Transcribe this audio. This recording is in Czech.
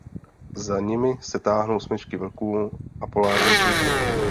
Za nimi se táhnou smečky vlků a polárních lišek.